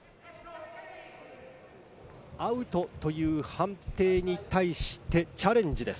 アウトという判定に対してチャレンジです。